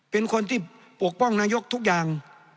เป็นคนที่ปกป้องนายกทุกอย่าง